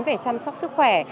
về chăm sóc sức khỏe